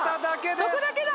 そこだけだ！